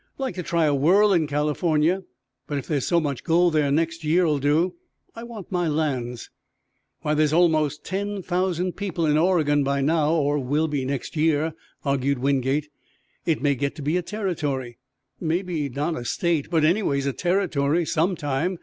"Like to try a whirl in California, but if there's so much gold there next year'll do. I want my lands." "Why, there's almost ten thousand people in Oregon by now, or will be next year," argued Wingate. "It may get to be a territory maybe not a state, but anyways a territory, some time.